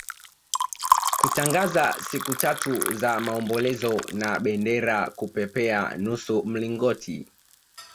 kutangaza siku tatu za maombolezo na bendera kupepea nusu mlingoti